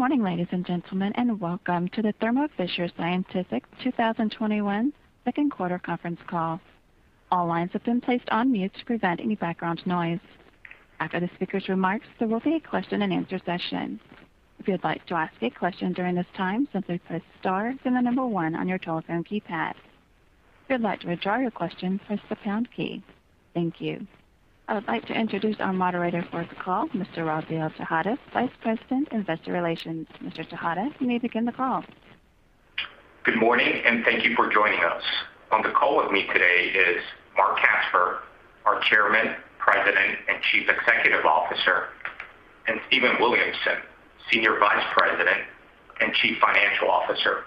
Good morning, ladies and gentlemen, welcome to the Thermo Fisher Scientific 2021 second quarter conference call. I would like to introduce our moderator for the call, Mr. Rafael Tejada, Vice President, Investor Relations. Mr. Tejada, you may begin the call. Good morning, and thank you for joining us. On the call with me today is Marc Casper, our Chairman, President, and Chief Executive Officer, and Stephen Williamson, Senior Vice President and Chief Financial Officer.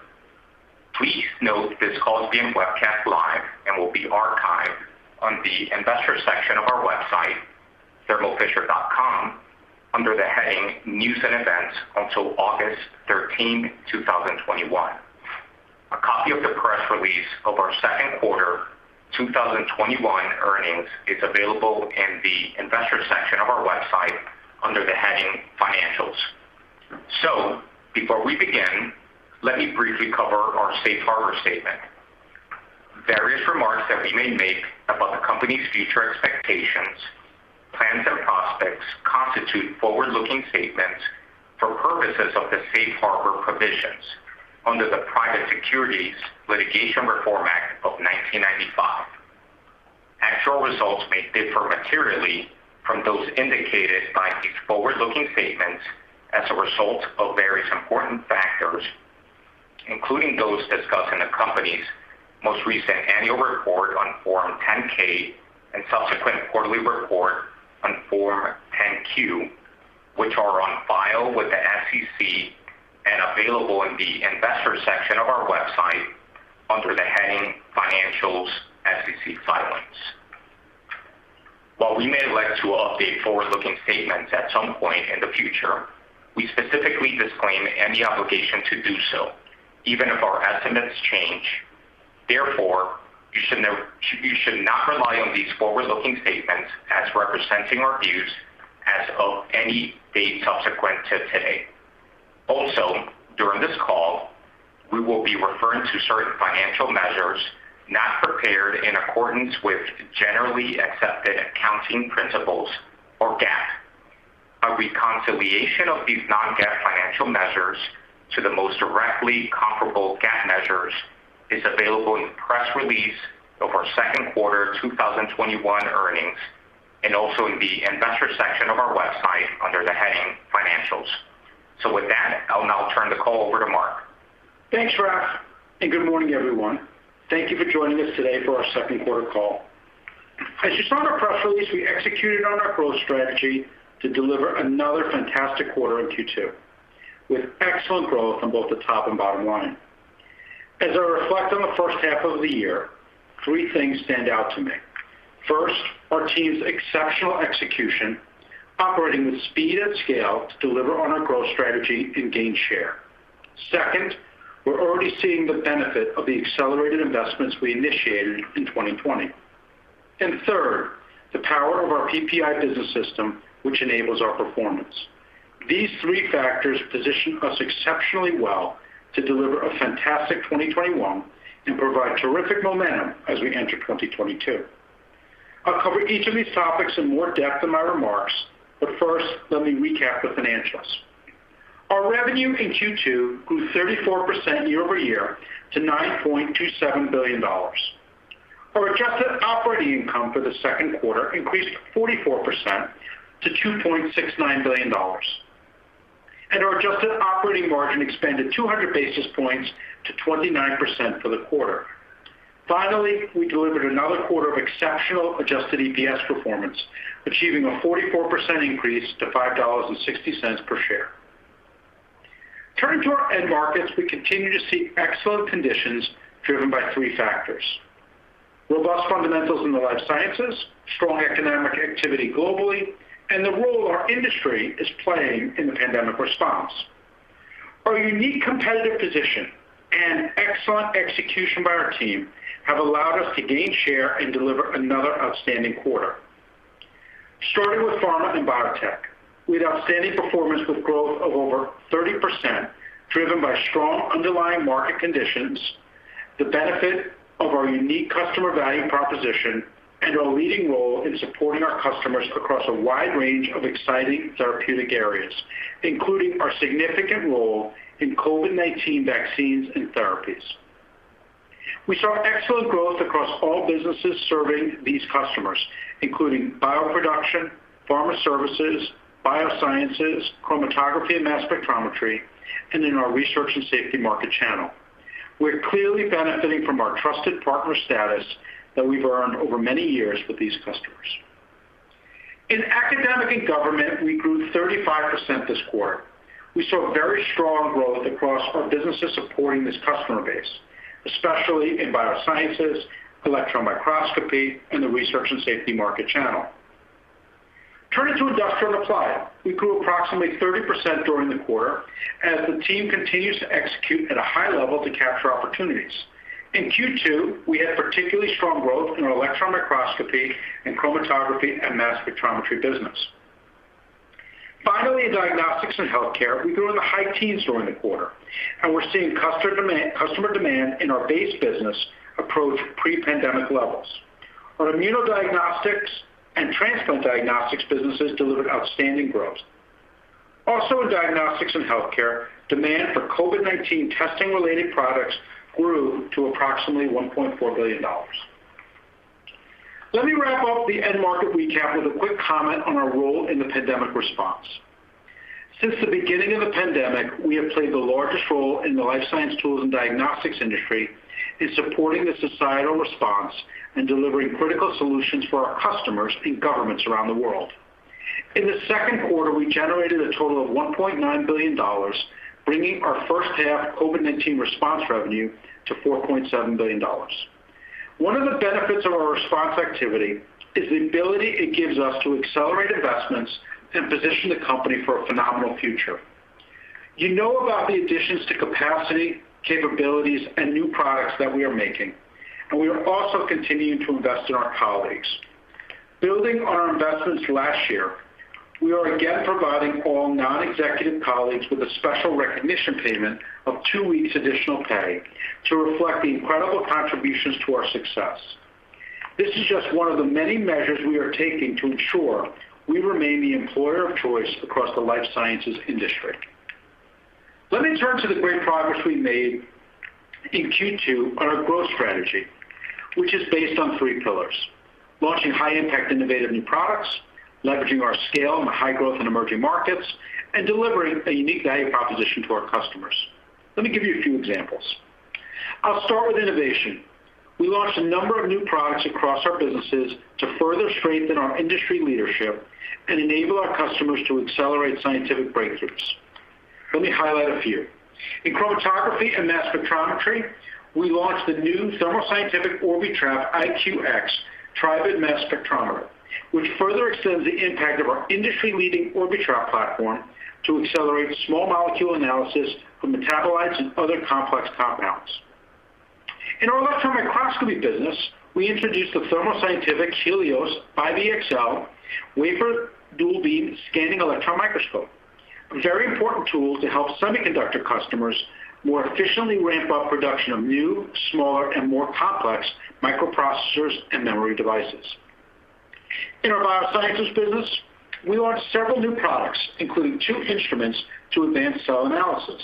Please note this call is being webcast live and will be archived on the investor section of our website, thermofisher.com, under the heading News and Events until August 13, 2021. A copy of the press release of our second quarter 2021 earnings is available in the investor section of our website under the heading Financials. Before we begin, let me briefly cover our safe harbor statement. Various remarks that we may make about the company's future expectations, plans, and prospects constitute forward-looking statements for purposes of the safe harbor provisions under the Private Securities Litigation Reform Act of 1995. Actual results may differ materially from those indicated by these forward-looking statements as a result of various important factors, including those discussed in the company's most recent annual report on Form 10-K and subsequent quarterly report on Form 10-Q, which are on file with the SEC and available in the investor section of our website under the heading Financials, SEC Filings. While we may elect to update forward-looking statements at some point in the future, we specifically disclaim any obligation to do so, even if our estimates change. Therefore, you should not rely on these forward-looking statements as representing our views as of any date subsequent to today. Also, during this call, we will be referring to certain financial measures not prepared in accordance with generally accepted accounting principles or GAAP. A reconciliation of these non-GAAP financial measures to the most directly comparable GAAP measures is available in the press release of our second quarter 2021 earnings, and also in the investor section of our website under the heading Financials. With that, I'll now turn the call over to Marc. Thanks, Raph. Good morning, everyone. Thank you for joining us today for our second quarter call. As you saw in our press release, we executed on our growth strategy to deliver another fantastic quarter in Q2, with excellent growth on both the top and bottom line. As I reflect on the first half of the year, three things stand out to me. First, our team's exceptional execution, operating with speed and scale to deliver on our growth strategy and gain share. Second, we're already seeing the benefit of the accelerated investments we initiated in 2020. Third, the power of our PPI Business System, which enables our performance. These three factors position us exceptionally well to deliver a fantastic 2021 and provide terrific momentum as we enter 2022. I'll cover each of these topics in more depth in my remarks. First, let me recap the financials. Our revenue in Q2 grew 34% year-over-year to $9.27 billion. Our adjusted operating income for the second quarter increased 44% to $2.69 billion. Our adjusted operating margin expanded 200 basis points to 29% for the quarter. Finally, we delivered another quarter of exceptional adjusted EPS performance, achieving a 44% increase to $5.60 per share. Turning to our end markets, we continue to see excellent conditions driven by three factors: robust fundamentals in the life sciences, strong economic activity globally, and the role our industry is playing in the pandemic response. Our unique competitive position and excellent execution by our team have allowed us to gain share and deliver another outstanding quarter. Starting with pharma and biotech, we had outstanding performance with growth of over 30%, driven by strong underlying market conditions, the benefit of our unique customer value proposition, and our leading role in supporting our customers across a wide range of exciting therapeutic areas, including our significant role in COVID-19 vaccines and therapies. We saw excellent growth across all businesses serving these customers, including bioproduction, pharma services, biosciences, chromatography and mass spectrometry, and in our research and safety market channel. We're clearly benefiting from our trusted partner status that we've earned over many years with these customers. In academic and government, we grew 35% this quarter. We saw very strong growth across our businesses supporting this customer base, especially in biosciences, electron microscopy, and the research and safety market channel. Turning to industrial applied, we grew approximately 30% during the quarter as the team continues to execute at a high level to capture opportunities. In Q2, we had particularly strong growth in our electron microscopy and chromatography and mass spectrometry business. Finally, in diagnostics and healthcare, we grew in the high teens during the quarter, and we're seeing customer demand in our base business approach pre-pandemic levels. Our immunodiagnostics and transplant diagnostics businesses delivered outstanding growth. Also, in diagnostics and healthcare, demand for COVID-19 testing-related products grew to approximately $1.4 billion. Let me wrap up the end market recap with a quick comment on our role in the pandemic response. Since the beginning of the pandemic, we have played the largest role in the life science tools and diagnostics industry in supporting the societal response and delivering critical solutions for our customers and governments around the world. In the second quarter, we generated a total of $1.9 billion, bringing our first half COVID-19 response revenue to $4.7 billion. One of the benefits of our response activity is the ability it gives us to accelerate investments and position the company for a phenomenal future. You know about the additions to capacity, capabilities, and new products that we are making, and we are also continuing to invest in our colleagues. Building on our investments last year, we are again providing all non-executive colleagues with a special recognition payment of two weeks additional pay to reflect the incredible contributions to our success. This is just one of the many measures we are taking to ensure we remain the employer of choice across the life sciences industry. Let me turn to the great progress we made in Q2 on our growth strategy, which is based on 3 pillars: launching high-impact, innovative new products, leveraging our scale in high growth and emerging markets, and delivering a unique value proposition to our customers. Let me give you a few examples. I'll start with innovation. We launched a number of new products across our businesses to further strengthen our industry leadership and enable our customers to accelerate scientific breakthroughs. Let me highlight a few. In chromatography and mass spectrometry, we launched the new Thermo Scientific Orbitrap IQ-X Tribrid mass spectrometer, which further extends the impact of our industry-leading Orbitrap platform to accelerate small molecule analysis for metabolites and other complex compounds. In our electron microscopy business, we introduced the Thermo Scientific Helios 5 EXL, wafer dual-beam scanning electron microscope, a very important tool to help semiconductor customers more efficiently ramp up production of new, smaller, and more complex microprocessors and memory devices. In our biosciences business, we launched several new products, including 2 instruments to advance cell analysis.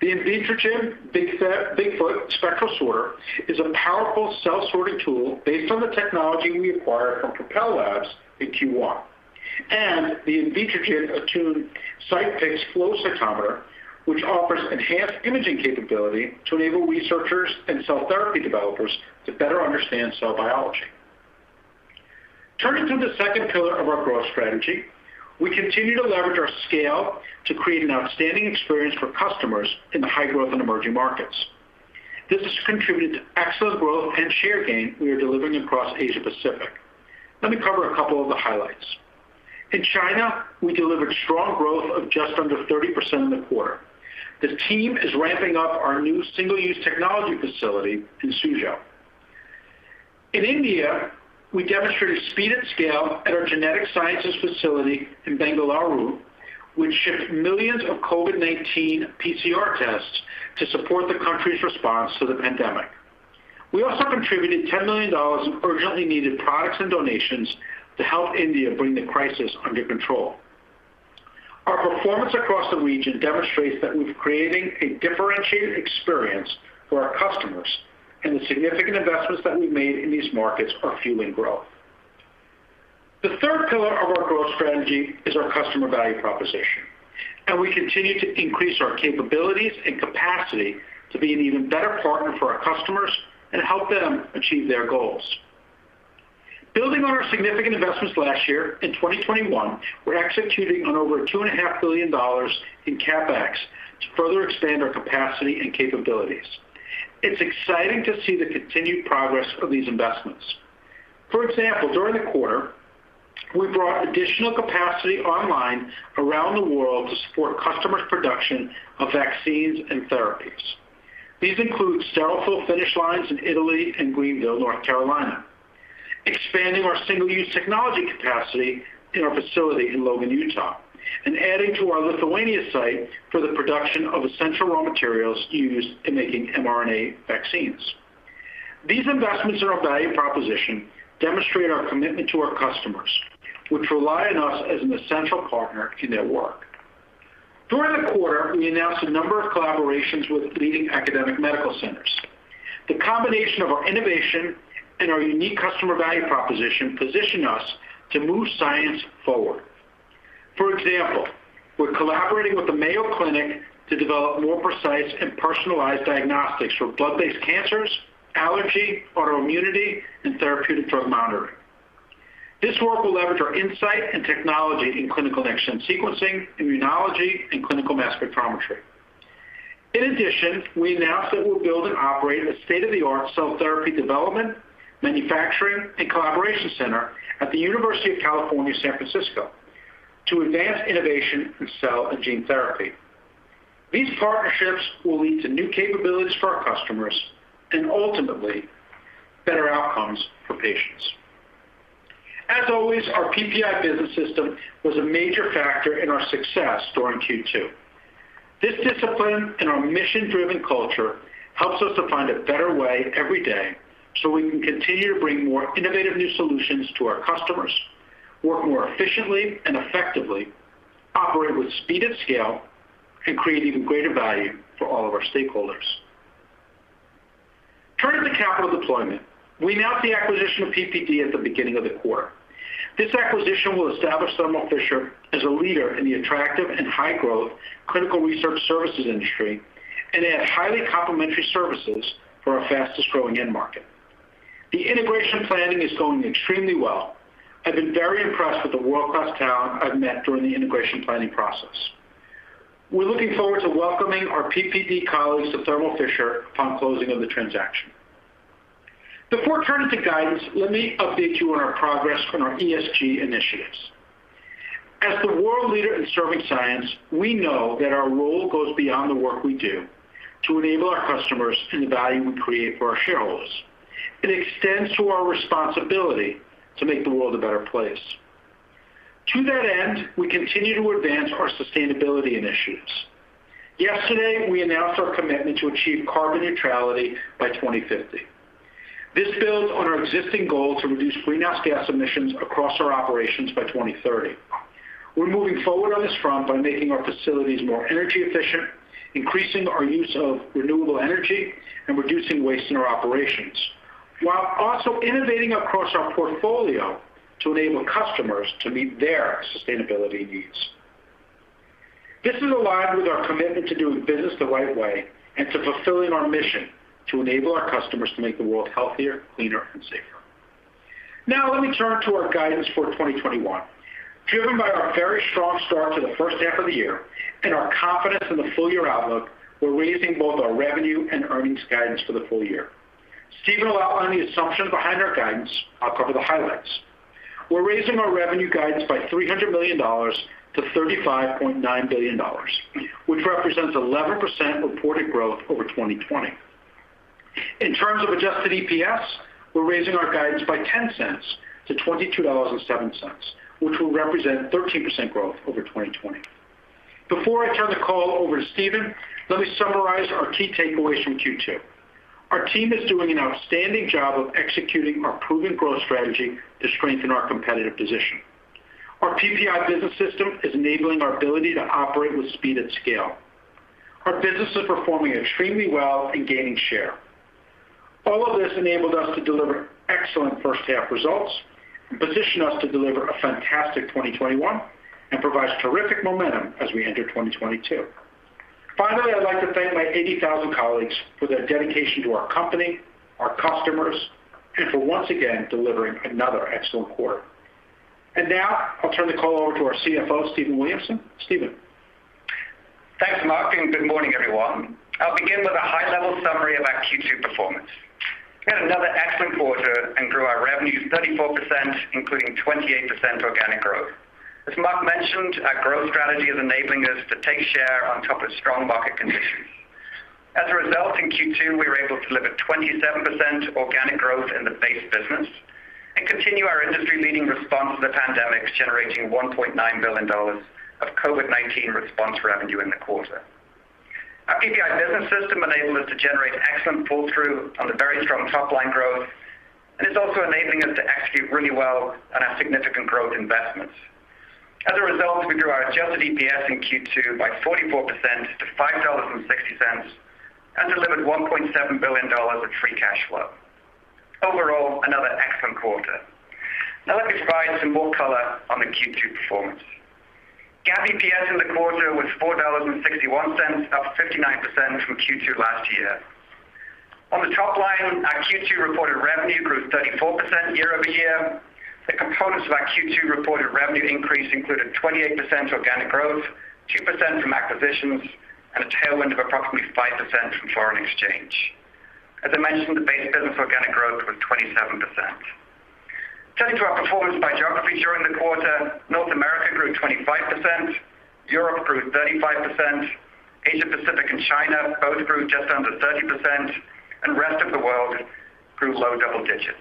The Invitrogen Bigfoot Spectral Sorter is a powerful cell sorting tool based on the technology we acquired from Propel Labs in Q1. The Invitrogen Attune CytPix flow cytometer, which offers enhanced imaging capability to enable researchers and cell therapy developers to better understand cell biology. Turning to the second pillar of our growth strategy, we continue to leverage our scale to create an outstanding experience for customers in the high-growth and emerging markets. This has contributed to excellent growth and share gain we are delivering across Asia Pacific. Let me cover a couple of the highlights. In China, we delivered strong growth of just under 30% in the quarter. The team is ramping up our new single-use technology facility in Suzhou. In India, we demonstrated speed and scale at our genetic sciences facility in Bengaluru, which shipped millions of COVID-19 PCR tests to support the country's response to the pandemic. We also contributed $10 million in urgently needed products and donations to help India bring the crisis under control. Our performance across the region demonstrates that we're creating a differentiated experience for our customers, and the significant investments that we've made in these markets are fueling growth. The third pillar of our growth strategy is our customer value proposition, and we continue to increase our capabilities and capacity to be an even better partner for our customers and help them achieve their goals. Building on our significant investments last year, in 2021, we're executing on over $2.5 billion in CapEx to further expand our capacity and capabilities. It's exciting to see the continued progress of these investments. For example, during the quarter, we brought additional capacity online around the world to support customers' production of vaccines and therapies. These include sterile fill finish lines in Italy and Greenville, North Carolina, expanding our single-use technology capacity in our facility in Logan, Utah, and adding to our Lithuania site for the production of essential raw materials used in making mRNA vaccines. These investments in our value proposition demonstrate our commitment to our customers, which rely on us as an essential partner in their work. During the quarter, we announced a number of collaborations with leading academic medical centers. The combination of our innovation and our unique customer value proposition position us to move science forward. For example, we're collaborating with the Mayo Clinic to develop more precise and personalized diagnostics for blood-based cancers, allergy, autoimmunity, and therapeutic drug monitoring. This work will leverage our insight and technology in clinical exome sequencing, immunology, and clinical mass spectrometry. In addition, we announced that we'll build and operate a state-of-the-art cell therapy development, manufacturing, and collaboration center at the University of California, San Francisco, to advance innovation in cell and gene therapy. These partnerships will lead to new capabilities for our customers and ultimately better outcomes for patients. As always, our PPI business system was a major factor in our success during Q2. This discipline and our mission-driven culture helps us to find a better way every day, so we can continue to bring more innovative new solutions to our customers, work more efficiently and effectively, operate with speed and scale, and create even greater value for all of our stakeholders. Turning to capital deployment, we announced the acquisition of PPD at the beginning of the quarter. This acquisition will establish Thermo Fisher as a leader in the attractive and high-growth clinical research services industry and add highly complementary services for our fastest-growing end market. The integration planning is going extremely well. I've been very impressed with the world-class talent I've met during the integration planning process. We're looking forward to welcoming our PPD colleagues to Thermo Fisher upon closing of the transaction. Before turning to guidance, let me update you on our progress on our ESG initiatives. As the world leader in serving science, we know that our role goes beyond the work we do to enable our customers and the value we create for our shareholders. It extends to our responsibility to make the world a better place. To that end, we continue to advance our sustainability initiatives. Yesterday, we announced our commitment to achieve carbon neutrality by 2050. This builds on our existing goal to reduce greenhouse gas emissions across our operations by 2030. We're moving forward on this front by making our facilities more energy efficient, increasing our use of renewable energy, and reducing waste in our operations, while also innovating across our portfolio to enable customers to meet their sustainability needs. This is aligned with our commitment to doing business the right way and to fulfilling our mission to enable our customers to make the world healthier, cleaner, and safer. Now let me turn to our guidance for 2021. Driven by our very strong start to the first half of the year and our confidence in the full-year outlook, we're raising both our revenue and earnings guidance for the full year. Stephen will outline the assumptions behind our guidance. I'll cover the highlights. We're raising our revenue guidance by $300 million to $35.9 billion, which represents 11% reported growth over 2020. In terms of adjusted EPS, we're raising our guidance by $0.10 to $22.07, which will represent 13% growth over 2020. Before I turn the call over to Stephen, let me summarize our key takeaways from Q2. Our team is doing an outstanding job of executing our proven growth strategy to strengthen our competitive position. Our PPI business system is enabling our ability to operate with speed and scale. Our business is performing extremely well and gaining share. All of this enabled us to deliver excellent first half results and position us to deliver a fantastic 2021 and provides terrific momentum as we enter 2022. Finally, I'd like to thank my 80,000 colleagues for their dedication to our company, our customers, and for once again delivering another excellent quarter. Now I'll turn the call over to our CFO, Stephen Williamson. Stephen? Thanks, Marc, and good morning, everyone. I'll begin with a high-level summary of our Q2 performance. We had another excellent quarter and grew our revenues 34%, including 28% organic growth. As Marc mentioned, our growth strategy is enabling us to take share on top of strong market conditions. As a result, in Q2, we were able to deliver 27% organic growth in the base business and continue our industry-leading response to the pandemic, generating $1.9 billion of COVID-19 response revenue in the quarter. Our PPI Business System enabled us to generate excellent pull-through on the very strong top-line growth, and it's also enabling us to execute really well on our significant growth investments. As a result, we grew our adjusted EPS in Q2 by 44% to $5.60 and delivered $1.7 billion of free cash flow. Overall, another excellent quarter. Now let me provide some more color on the Q2 performance. GAAP EPS in the quarter was $4.61, up 59% from Q2 last year. On the top line, our Q2 reported revenue grew 34% year-over-year. The components of our Q2 reported revenue increase included 28% organic growth, 2% from acquisitions, and a tailwind of approximately 5% from foreign exchange. As I mentioned, the base business organic growth was 27%. Turning to our performance by geography during the quarter, North America grew 25%, Europe grew 35%, Asia Pacific and China both grew just under 30%, and rest of the world grew low double digits.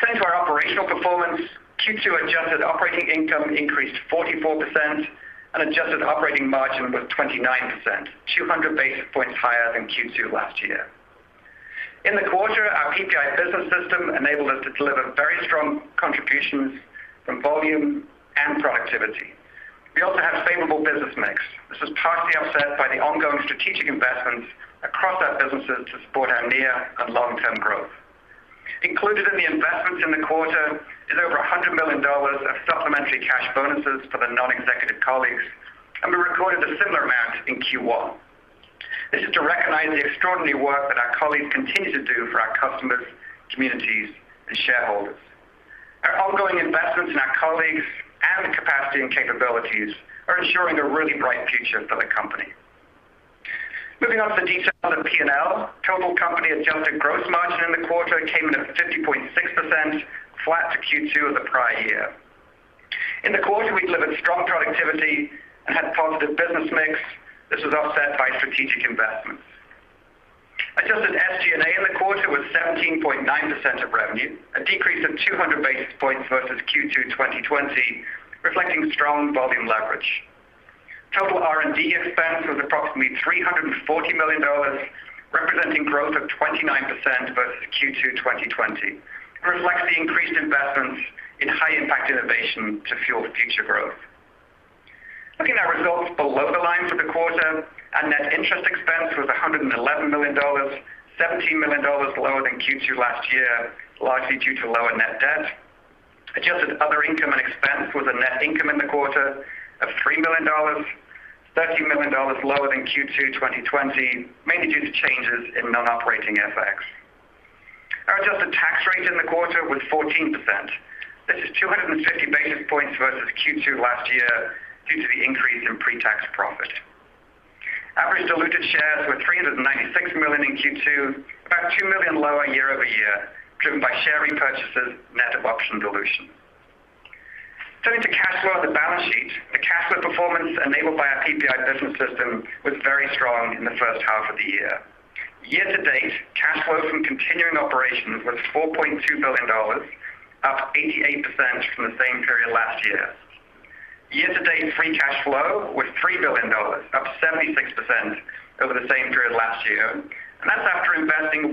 Turning to our operational performance, Q2 adjusted operating income increased 44% and adjusted operating margin was 29%, 200 basis points higher than Q2 last year. In the quarter, our PPI business system enabled us to deliver very strong contributions from volume and productivity. We also had favorable business mix. This was partially offset by the ongoing strategic investments across our businesses to support our near and long-term growth. Included in the investments in the quarter is over $100 million of supplementary cash bonuses for the non-executive colleagues, and we recorded a similar amount in Q1. This is to recognize the extraordinary work that our colleagues continue to do for our customers, communities, and shareholders. Our ongoing investments in our colleagues and the capacity and capabilities are ensuring a really bright future for the company. Moving on to the details of P&L. Total company adjusted gross margin in the quarter came in at 50.6%, flat to Q2 of the prior year. In the quarter, we delivered strong productivity and had positive business mix. This was offset by strategic investments. Adjusted SG&A in the quarter was 17.9% of revenue, a decrease of 200 basis points versus Q2 2020, reflecting strong volume leverage. Total R&D expense was approximately $340 million, representing growth of 29% versus Q2 2020. It reflects the increased investments in high impact innovation to fuel future growth. Looking at results below the line for the quarter. Our net interest expense was $111 million, $17 million lower than Q2 last year, largely due to lower net debt. Adjusted other income and expense was a net income in the quarter of $3 million, $30 million lower than Q2 2020, mainly due to changes in non-operating FX. Our adjusted tax rate in the quarter was 14%. This is 250 basis points versus Q2 last year due to the increase in pre-tax profit. Average diluted shares were 396 million in Q2, about 2 million lower year-over-year, driven by share repurchases, net of option dilution. Turning to cash flow of the balance sheet. The cash flow performance enabled by our PPI business system was very strong in the first half of the year. Year-to-date, cash flow from continuing operations was $4.2 billion, up 88% from the same period last year. Year-to-date, free cash flow was $3 billion, up 76% over the same period last year, and that's after investing $1.2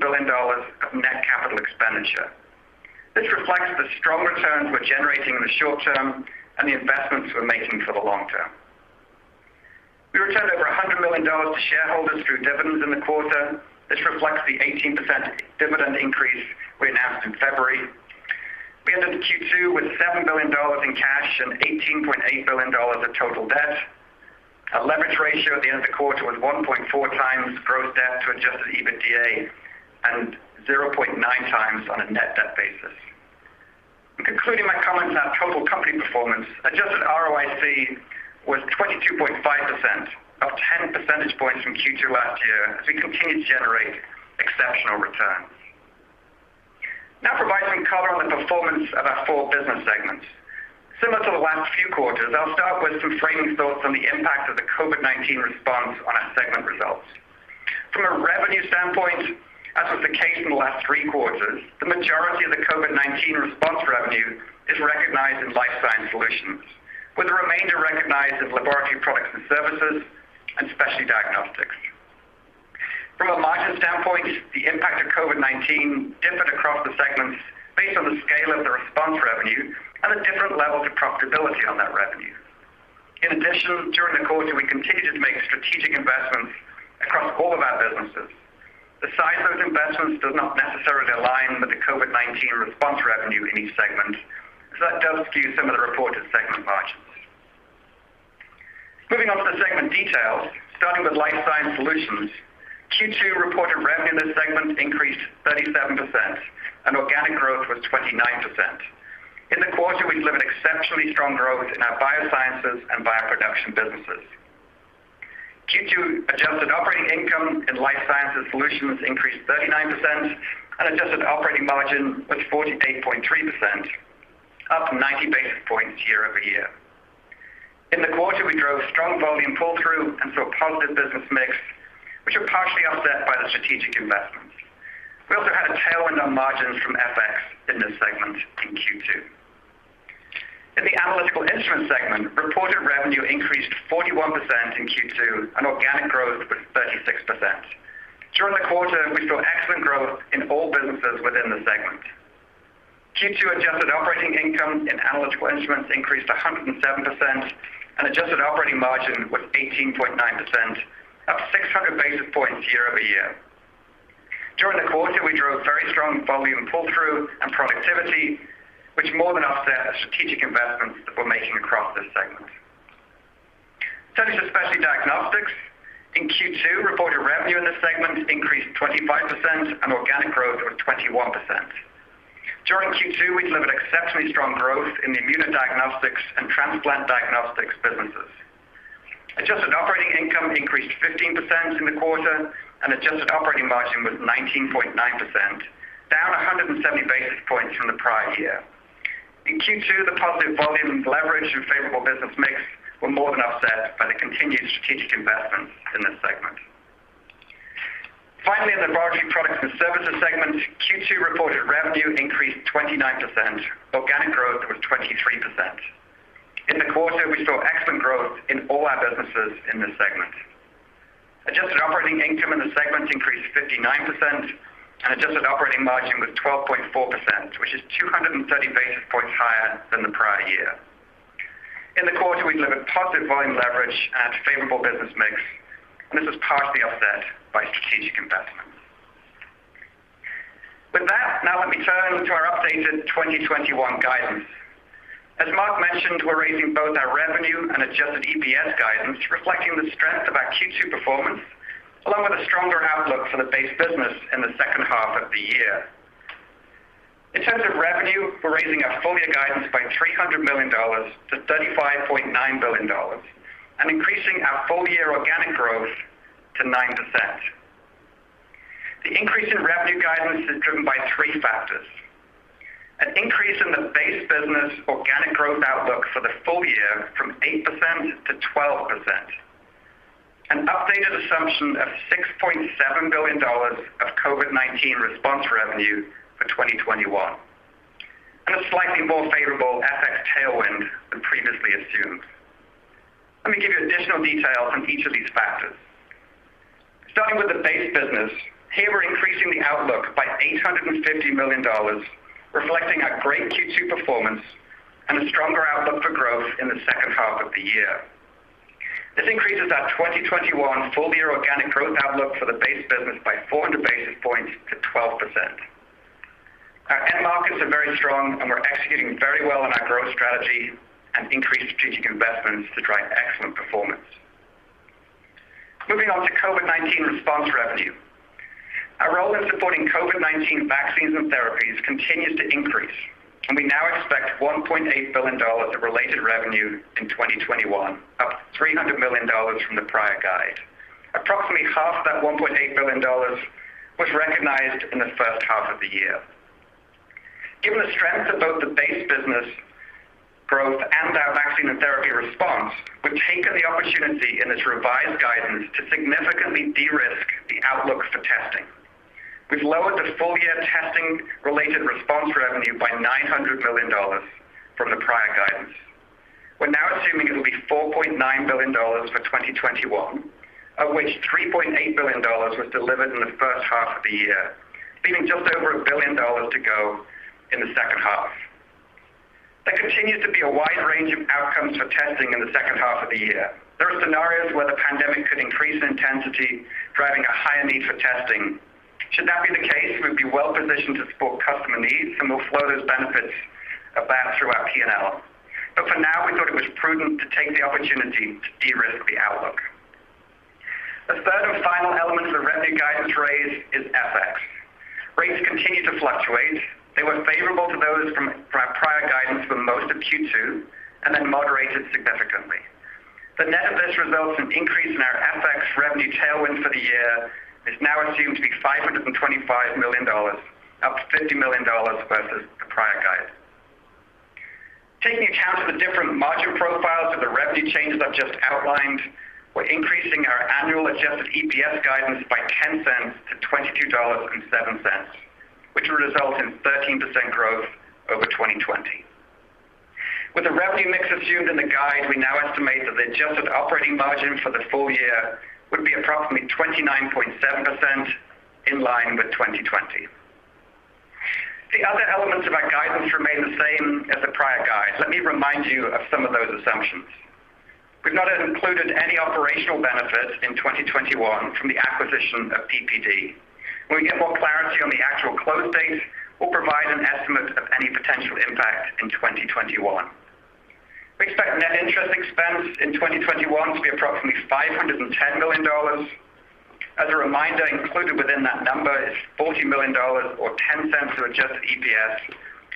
billion of net capital expenditure. This reflects the strong returns we're generating in the short term and the investments we're making for the long term. We returned over $100 million to shareholders through dividends in the quarter. This reflects the 18% dividend increase we announced in February. We ended Q2 with $7 billion in cash and $18.8 billion of total debt. Our leverage ratio at the end of the quarter was 1.4 times gross debt to adjusted EBITDA and 0.9 times on a net debt basis. In concluding my comments on total company performance, adjusted ROIC was 22.5%, up 10 percentage points from Q2 last year, as we continue to generate exceptional returns. Providing color on the performance of our four business segments. Similar to the last few quarters, I'll start with some framing thoughts on the impact of the COVID-19 response on our segment results. From a revenue standpoint, as was the case in the last three quarters, the majority of the COVID-19 response revenue is recognized in Life Sciences Solutions, with the remainder recognized in Laboratory Products and Services and Specialty Diagnostics. From a margin standpoint, the impact of COVID-19 differed across the segments based on the scale of the response revenue and the different levels of profitability on that revenue. During the quarter, we continued to make strategic investments across all of our businesses. That does skew some of the reported segment margins. Moving on to the segment details, starting with Life Sciences Solutions. Q2 reported revenue in this segment increased 37%. Organic growth was 29%. In the quarter, we delivered exceptionally strong growth in our biosciences and bioproduction businesses. Q2 adjusted operating income in Life Sciences Solutions increased 39%. Adjusted operating margin was 48.3%, up 90 basis points year-over-year. In the quarter, we drove strong volume pull-through and saw positive business mix, which were partially offset by the strategic investments. We also had a tailwind on margins from FX in this segment in Q2. In the Analytical Instruments segment, reported revenue increased 41% in Q2. Organic growth was 36%. During the quarter, we saw excellent growth in all businesses within the segment. Q2 adjusted operating income in Analytical Instruments increased 107%, and adjusted operating margin was 18.9%, up 600 basis points year-over-year. During the quarter, we drove very strong volume pull-through and productivity, which more than offset the strategic investments that we're making across this segment. Turning to Specialty Diagnostics. In Q2, reported revenue in this segment increased 25%, and organic growth was 21%. During Q2, we delivered exceptionally strong growth in the immunodiagnostics and transplant diagnostics businesses. Adjusted operating income increased 15% in the quarter, and adjusted operating margin was 19.9%, down 170 basis points from the prior year. In Q2, the positive volume leverage and favorable business mix were more than offset by the continued strategic investments in this segment. Finally, in the Laboratory Products and Services segment, Q2 reported revenue increased 29%. Organic growth was 23%. In the quarter, we saw excellent growth in all our businesses in this segment. Adjusted operating income in the segment increased 59%, and adjusted operating margin was 12.4%, which is 230 basis points higher than the prior year. In the quarter, we delivered positive volume leverage and favorable business mix, and this was partially offset by strategic investments. With that, now let me turn to our updated 2021 guidance. As Marc mentioned, we're raising both our revenue and adjusted EPS guidance, reflecting the strength of our Q2 performance, along with a stronger outlook for the base business in the second half of the year. In terms of revenue, we're raising our full-year guidance by $300 million to $35.9 billion and increasing our full-year organic growth to 9%. The increase in revenue guidance is driven by three factors. An increase in the base business organic growth outlook for the full year from 8% to 12%. An updated assumption of $6.7 billion of COVID-19 response revenue for 2021. A slightly more favorable FX tailwind than previously assumed. Let me give you additional details on each of these factors. Starting with the base business. Here we're increasing the outlook by $850 million, reflecting our great Q2 performance and a stronger outlook for growth in the second half of the year. This increases our 2021 full-year organic growth outlook for the base business by 400 basis points to 12%. Our end markets are very strong and we're executing very well on our growth strategy and increased strategic investments to drive excellent performance. Moving on to COVID-19 response revenue. Our role in supporting COVID-19 vaccines and therapies continues to increase, and we now expect $1.8 billion of related revenue in 2021, up $300 million from the prior guide. Approximately half that $1.8 billion was recognized in the first half of the year. Given the strength of both the base business growth and our vaccine and therapy response, we've taken the opportunity in this revised guidance to significantly de-risk the outlook for testing. We've lowered the full-year testing-related response revenue by $900 million from the prior guidance. We're now assuming it'll be $4.9 billion for 2021, of which $3.8 billion was delivered in the first half of the year, leaving just over $1 billion to go in the second half. There continues to be a wide range of outcomes for testing in the second half of the year. There are scenarios where the pandemic could increase in intensity, driving a higher need for testing. Should that be the case, we'd be well-positioned to support customer needs, and we'll flow those benefits of that through our P&L. For now, we thought it was prudent to take the opportunity to de-risk the outlook. The third and final element of the revenue guidance raise is FX. Rates continue to fluctuate. They were favorable to those from our prior guidance for most of Q2, and then moderated significantly. The net of this results in increase in our FX revenue tailwind for the year is now assumed to be $525 million, up $50 million versus the prior guide. Taking account of the different margin profiles of the revenue changes I've just outlined, we're increasing our annual adjusted EPS guidance by $0.10 to $22.07, which will result in 13% growth over 2020. With the revenue mix assumed in the guide, we now estimate that the adjusted operating margin for the full year would be approximately 29.7%, in line with 2020. The other elements of our guidance remain the same as the prior guide. Let me remind you of some of those assumptions. We've not included any operational benefits in 2021 from the acquisition of PPD. When we get more clarity on the actual close date, we'll provide an estimate of any potential impact in 2021. We expect net interest expense in 2021 to be approximately $510 million. As a reminder, included within that number is $40 million, or $0.10 of adjusted EPS,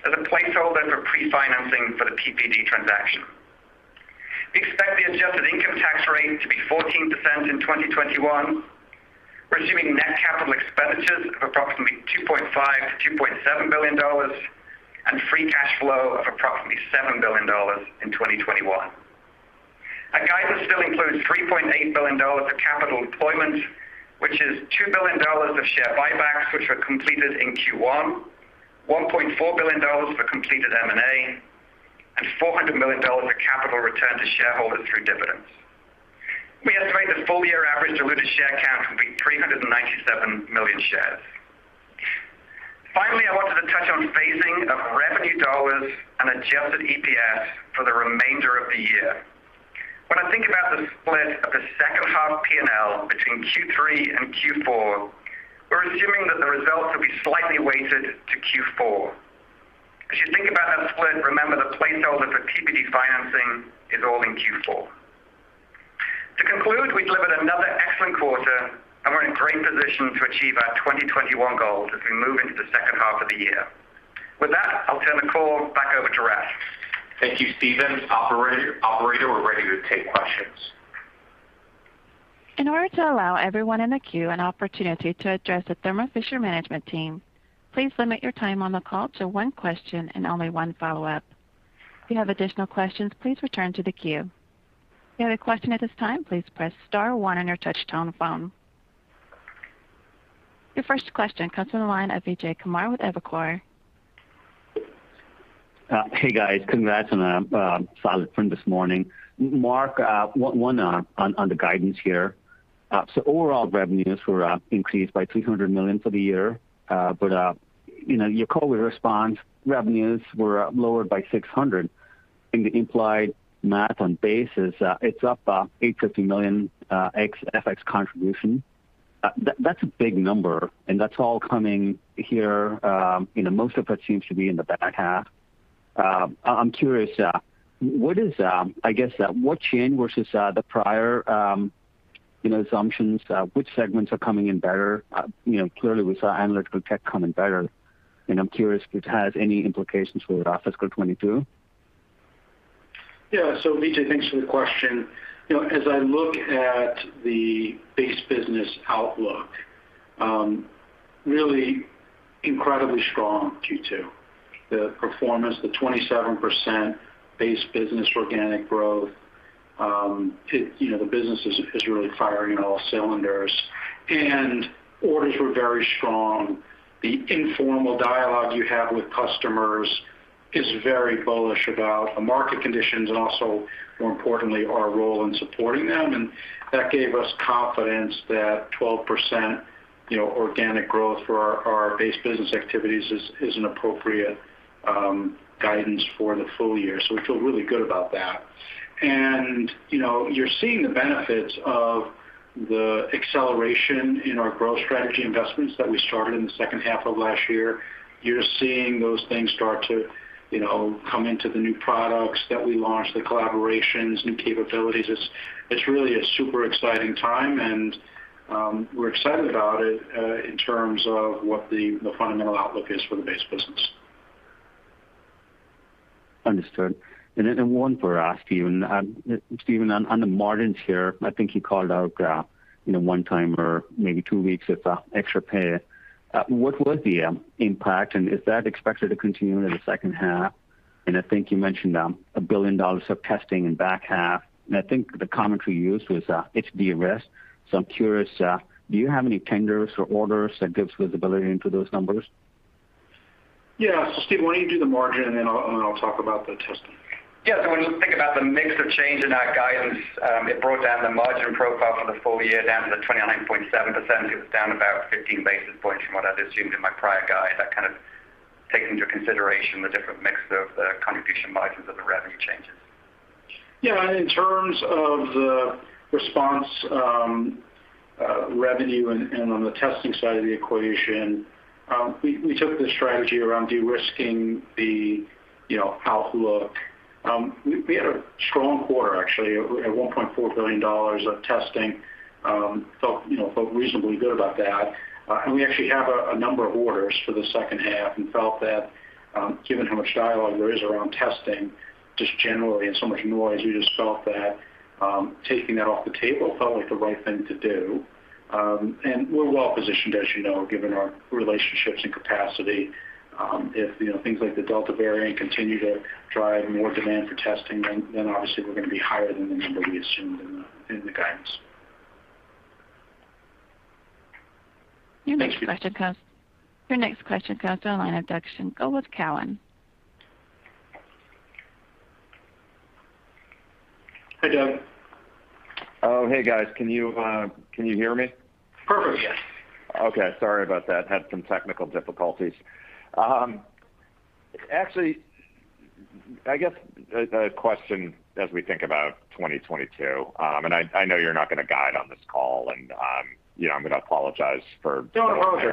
as a placeholder for pre-financing for the PPD transaction. We expect the adjusted income tax rate to be 14% in 2021. We're assuming net capital expenditures of approximately $2.5 billion-$2.7 billion and free cash flow of approximately $7 billion in 2021. Our guidance still includes $3.8 billion of capital deployment, which is $2 billion of share buybacks, which were completed in Q1, $1.4 billion for completed M&A, and $400 million of capital returned to shareholders through dividends. We estimate the full-year average diluted share count will be 397 million shares. I wanted to touch on phasing of revenue dollars and adjusted EPS for the remainder of the year. I think about the split of the second half P&L between Q3 and Q4, we're assuming that the results will be slightly weighted to Q4. You think about that split, remember the placeholder for PPD financing is all in Q4. To conclude, we've delivered another excellent quarter, and we're in great position to achieve our 2021 goals as we move into the second half of the year. With that, I'll turn the call back over to Raph. Thank you, Stephen. Operator, we're ready to take questions. In order to allow everyone in the queue an opportunity to address the Thermo Fisher Scientific management team, please limit your time on the call to one question and only one follow-up. If you have additional questions, please return to the queue. If you have a question at this time, please press star one on your touch-tone phone. Your first question comes from the line of Vijay Kumar with Evercore. Hey, guys. Congrats on a solid print this morning. Marc, one on the guidance here. Overall revenues were increased by $300 million for the year. Your COVID response revenues were lowered by $600 million. I think the implied math on base is it's up $850 million ex FX contribution. That's a big number, and that's all coming here. Most of it seems to be in the back half. I'm curious. I guess, what changed versus the prior assumptions, which segments are coming in better? Clearly we saw Analytical Instruments coming better, and I'm curious if it has any implications for FY 2022. Vijay, thanks for the question. As I look at the base business outlook, really incredibly strong Q2. The performance, the 27% base business organic growth, the business is really firing on all cylinders, and orders were very strong. The informal dialogue you have with customers is very bullish about the market conditions and also, more importantly, our role in supporting them. That gave us confidence that 12% organic growth for our base business activities is an appropriate guidance for the full year. We feel really good about that. You're seeing the benefits of the acceleration in our growth strategy investments that we started in the second half of last year. You're seeing those things start to come into the new products that we launched, the collaborations, new capabilities. It's really a super exciting time, and we're excited about it in terms of what the fundamental outlook is for the base business. Understood. Then one for Steve. Stephen, on the margins here, I think you called out one-timer, maybe 2 weeks of extra pay. What was the impact, and is that expected to continue into the second half? I think you mentioned $1 billion of testing in back half, and I think the commentary used was it's de-risk. I'm curious, do you have any tenders or orders that gives visibility into those numbers? Yeah. Steve, why don't you do the margin, and then I'll talk about the testing. Yeah. When you think about the mix of change in our guidance, it brought down the margin profile for the full year down to the 29.7%. It was down about 15 basis points from what I'd assumed in my prior guide. That kind of takes into consideration the different mix of the contribution margins of the revenue changes. Yeah, in terms of the response revenue and on the testing side of the equation, we took the strategy around de-risking the outlook. We had a strong quarter, actually, at $1.4 billion of testing. Felt reasonably good about that. We actually have a number of orders for the second half and felt that given how much dialogue there is around testing, just generally and so much noise, we just felt that taking that off the table felt like the right thing to do. We're well positioned, as you know, given our relationships and capacity. If things like the Delta variant continue to drive more demand for testing, then obviously we're going to be higher than the number we assumed in the guidance. Your next question comes. Your next question comes on the line of Doug Schenkel. Go with Cowen. Hey, Doug. Oh, hey guys. Can you hear me? Perfect. Yes. Okay. Sorry about that. Had some technical difficulties. Actually, I guess a question as we think about 2022, and I know you're not going to guide on this call, and I'm going to apologize. Don't worry.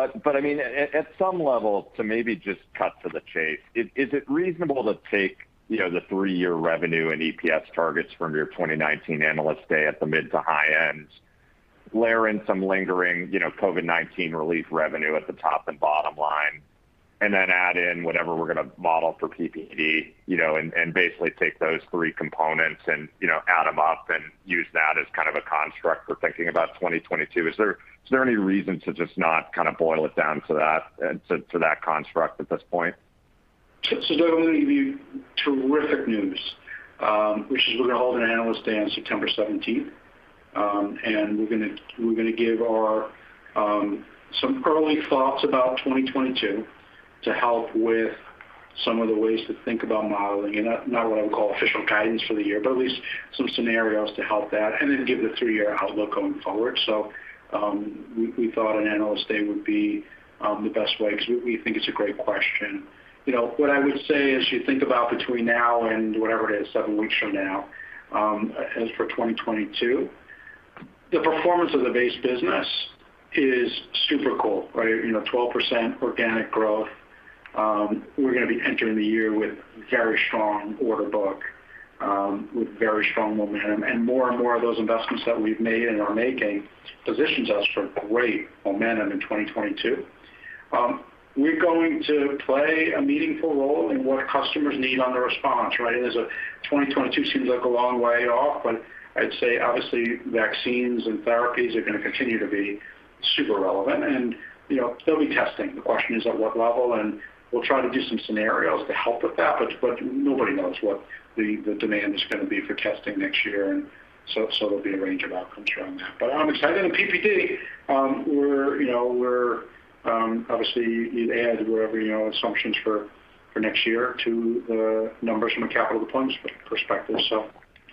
At some level, to maybe just cut to the chase, is it reasonable to take the 3-year revenue and EPS targets from your 2019 Analyst Day at the mid to high end, layer in some lingering COVID-19 relief revenue at the top and bottom line, and then add in whatever we're going to model for PPD, and basically take those three components and add them up and use that as kind of a construct for thinking about 2022? Is there any reason to just not kind of boil it down to that construct at this point? Doug, let me give you terrific news, which is we're going to hold an Analyst Day on September 17th. We're going to give some early thoughts about 2022 to help with some of the ways to think about modeling, not what I would call official guidance for the year, but at least some scenarios to help that, then give the three-year outlook going forward. We thought an Analyst Day would be the best way because we think it's a great question. What I would say as you think about between now and whenever it is, seven weeks from now, as for 2022, the performance of the base business is super cool, right? 12% organic growth. We're going to be entering the year with very strong order book, with very strong momentum. More and more of those investments that we've made and are making positions us for great momentum in 2022. We're going to play a meaningful role in what our customers need on the response, right? 2022 seems like a long way off, but I'd say obviously vaccines and therapies are going to continue to be super relevant, and there'll be testing. The question is at what level, and we'll try to do some scenarios to help with that, but nobody knows what the demand is going to be for testing next year. There'll be a range of outcomes around that. I'm excited. PPD, obviously you'd add whatever assumptions for next year to the numbers from a capital deployment perspective.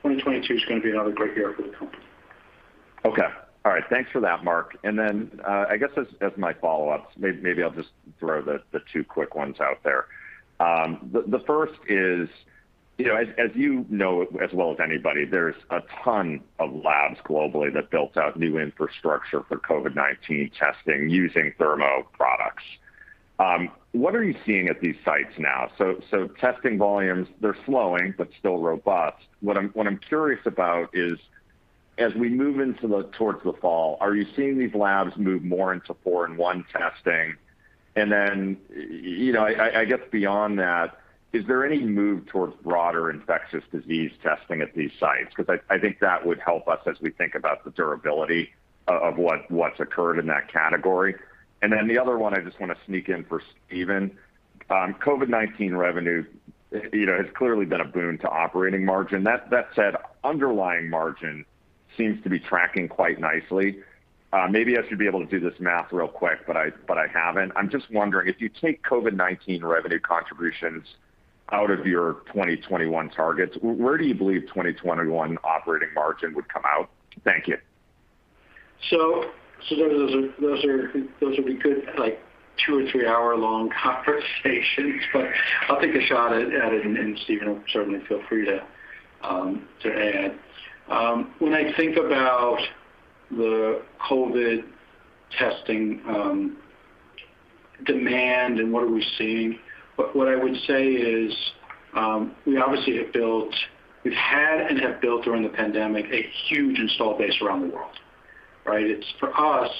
2022's going to be another great year for the company. Okay. All right. Thanks for that, Marc. I guess as my follow-up, maybe I'll just throw the 2 quick ones out there. The first is, as you know as well as anybody, there's a ton of labs globally that built out new infrastructure for COVID-19 testing using Thermo products. What are you seeing at these sites now? Testing volumes, they're slowing, but still robust. What I'm curious about is, as we move towards the fall, are you seeing these labs move more into 4-in-1 testing? I guess beyond that, is there any move towards broader infectious disease testing at these sites? I think that would help us as we think about the durability of what's occurred in that category. The other one I just want to sneak in for Stephen. COVID-19 revenue has clearly been a boon to operating margin. That said, underlying margin seems to be tracking quite nicely. Maybe I should be able to do this math real quick, but I haven't. I'm just wondering, if you take COVID-19 revenue contributions out of your 2021 targets, where do you believe 2021 operating margin would come out? Thank you. Those would be good 2 or 3-hour-long conversations, but I'll take a shot at it, and Stephen, certainly feel free to add. When I think about the COVID testing demand and what are we seeing, what I would say is we obviously have had and have built during the pandemic, a huge install base around the world. For us,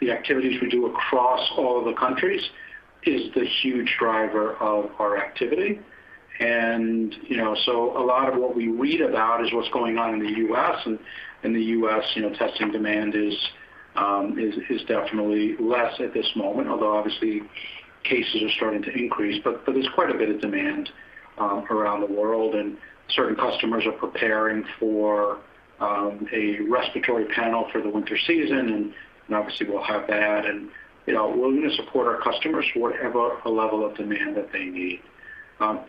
the activities we do across all of the countries is the huge driver of our activity. A lot of what we read about is what's going on in the U.S. In the U.S., testing demand is definitely less at this moment, although obviously cases are starting to increase. There's quite a bit of demand around the world, and certain customers are preparing for a respiratory panel for the winter season, and obviously we'll have that. We're going to support our customers for whatever level of demand that they need.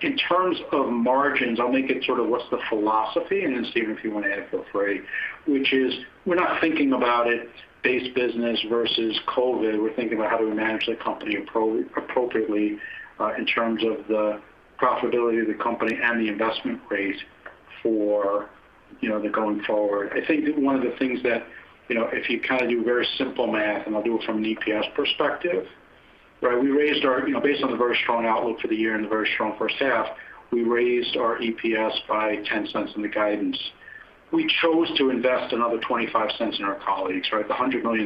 In terms of margins, I'll make it sort of what's the philosophy, and then Stephen, if you want to add, feel free, which is we're not thinking about it base business versus COVID. We're thinking about how do we manage the company appropriately in terms of the profitability of the company and the investment rate for the going forward. I think one of the things that, if you do very simple math, and I'll do it from an EPS perspective. Based on the very strong outlook for the year and the very strong first half, we raised our EPS by $0.10 in the guidance. We chose to invest another $0.25 in our colleagues. The $100 million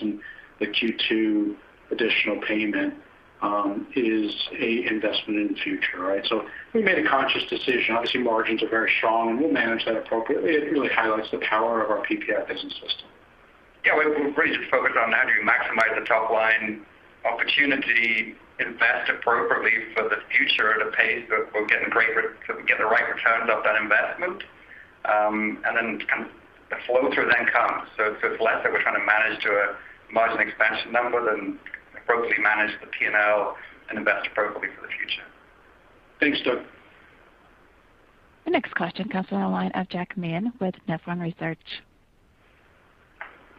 in the Q2 additional payment is an investment in the future. We made a conscious decision. Obviously, margins are very strong, and we'll manage that appropriately. It really highlights the power of our PPI business system. We're pretty focused on how do we maximize the top-line opportunity, invest appropriately for the future at a pace that we're getting the right returns off that investment, and then the flow-through then comes. It's less that we're trying to manage to a margin expansion number than appropriately manage the P&L and invest appropriately for the future. Thanks, Doug. The next question comes on the line of Jack Meehan with Nephron Research.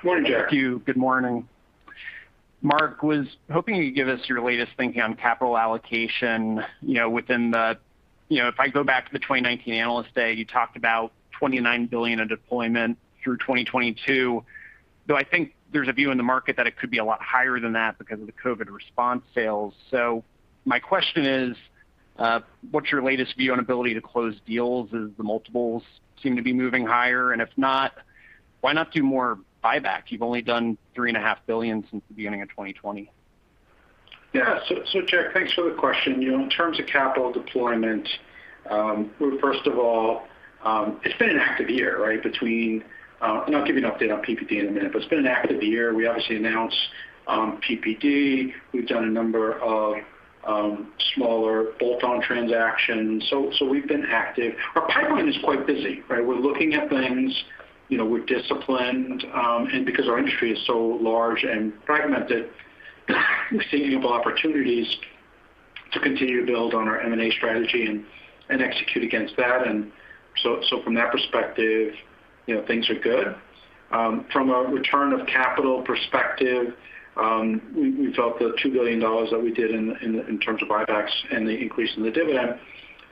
Morning, Jack. Thank you. Good morning. Marc, was hoping you'd give us your latest thinking on capital allocation. If I go back to the 2019 Analyst Day, you talked about $29 billion of deployment through 2022, though I think there's a view in the market that it could be a lot higher than that because of the COVID response sales. My question is, what's your latest view on ability to close deals as the multiples seem to be moving higher? If not, why not do more buyback? You've only done $three and a half billion since the beginning of 2020. Yeah. Jack, thanks for the question. In terms of capital deployment, first of all, it's been an active year. I'll give you an update on PPD in a minute, but it's been an active year. We obviously announced PPD. We've done a number of smaller bolt-on transactions. We've been active. Our pipeline is quite busy. We're looking at things, we're disciplined. Because our industry is so large and fragmented, we're seeing ample opportunities to continue to build on our M&A strategy and execute against that. From that perspective, things are good. From a return of capital perspective, we felt the $2 billion that we did in terms of buybacks and the increase in the dividend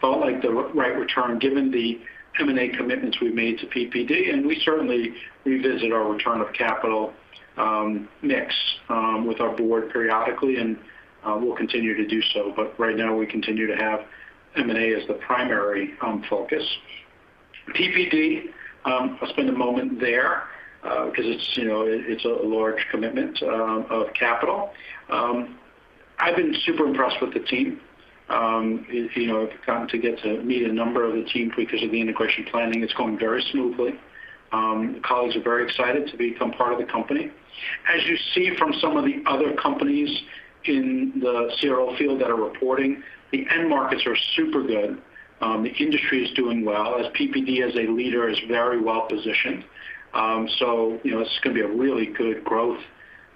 felt like the right return given the M&A commitments we've made to PPD. We certainly revisit our return of capital mix with our board periodically, and we'll continue to do so. Right now, we continue to have M&A as the primary focus. PPD, I'll spend a moment there, because it's a large commitment of capital. I've been super impressed with the team. I've gotten to get to meet a number of the team because of the integration planning. It's going very smoothly. The colleagues are very excited to become part of the company. As you see from some of the other companies in the CRO field that are reporting, the end markets are super good. The industry is doing well. As PPD as a leader is very well positioned. It's going to be a really good growth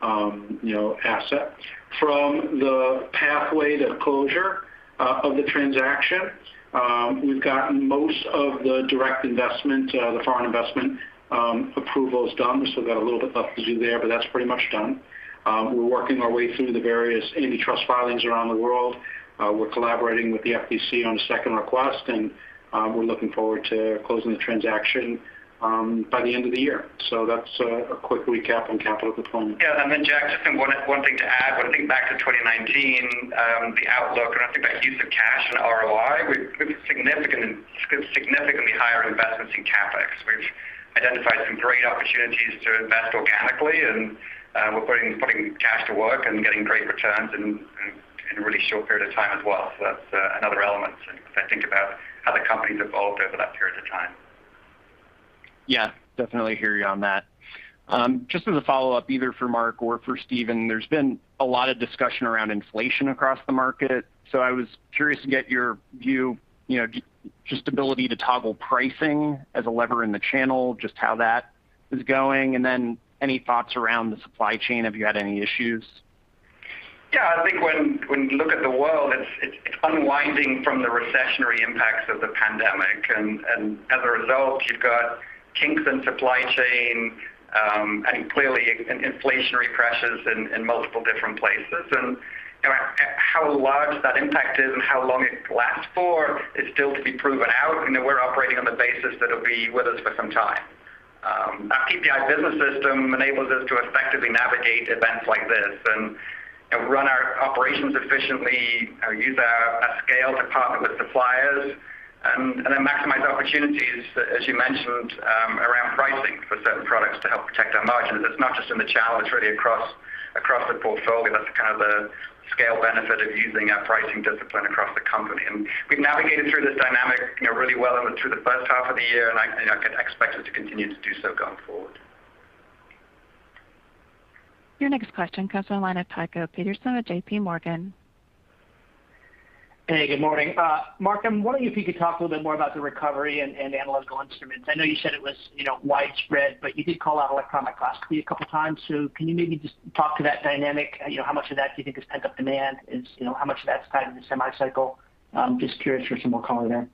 asset. From the pathway to closure of the transaction, we've gotten most of the direct investment, the foreign investment approvals done, so we've got a little bit left to do there, but that's pretty much done. We're working our way through the various antitrust filings around the world. We're collaborating with the FTC on a second request, and we're looking forward to closing the transaction by the end of the year. That's a quick recap on capital deployment. Yeah. Just one thing to add. When I think back to 2019, the outlook, and I think about use of cash and ROI, we've significantly higher investments in CapEx. We've identified some great opportunities to invest organically, and we're putting cash to work and getting great returns in a really short period of time as well. That's another element as I think about how the company's evolved over that period of time. Yeah, definitely hear you on that. Just as a follow-up, either for Marc or for Stephen, there's been a lot of discussion around inflation across the market. I was curious to get your view, just ability to toggle pricing as a lever in the channel, just how that is going, and then any thoughts around the supply chain. Have you had any issues? Yeah, I think when you look at the world, it's unwinding from the recessionary impacts of the pandemic. As a result, you've got kinks in supply chain, and clearly inflationary pressures in multiple different places. How large that impact is and how long it lasts for is still to be proven out. We're operating on the basis that it'll be with us for some time. Our PPI business system enables us to effectively navigate events like this and run our operations efficiently, use our scale to partner with suppliers, and then maximize opportunities, as you mentioned, around pricing for certain products to help protect our margins. It's not just in the channel, it's really across the portfolio. That's kind of the scale benefit of using our pricing discipline across the company. We've navigated through this dynamic really well through the first half of the year. I expect us to continue to do so going forward. Your next question comes on the line of Tycho Peterson at J.P. Morgan. Hey, good morning. Marc, I'm wondering if you could talk a little bit more about the recovery and Analytical Instruments. I know you said it was widespread, but you did call out electron microscopy a couple times. Can you maybe just talk to that dynamic? How much of that do you think is pent-up demand? How much of that's tied to the semi cycle? Just curious for some more color there.